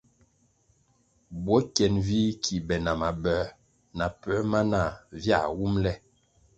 Bwo kyen vih ki be na maboē na puer ma nah viah wumʼle.